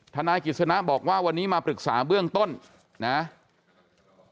ทนายกิจสนะบอกว่าวันนี้มาปรึกษาเบื้องต้นนะครับ